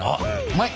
うまい！